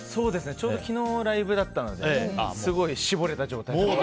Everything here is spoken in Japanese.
ちょうど昨日ライブだったのですごい絞れた状態です。